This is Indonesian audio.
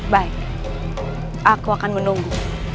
baik aku akan menunggu